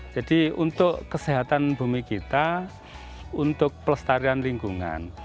jadi untuk kesehatan bumi kita untuk pelestarian lingkungan